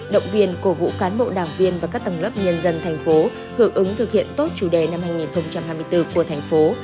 động viên cổ vũ cán bộ đảng viên và các tầng lớp nhân dân thành phố hưởng ứng thực hiện tốt chủ đề năm hai nghìn hai mươi bốn của thành phố